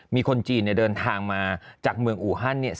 มีคนจีนเนี่ยเดินทางมาจากเมืองอูฮันเนี่ย